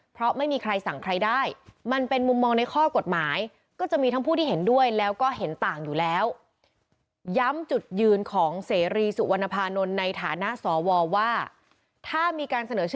เพราะไม่มีใครสั่งใครได้